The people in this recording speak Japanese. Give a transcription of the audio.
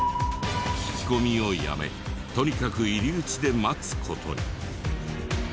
聞き込みをやめとにかく入り口で待つ事に。